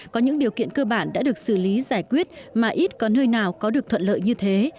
có những điều kiện cơ bản đã được xử lý giải quyết mà ít có nơi nào có được thuận lợi như thế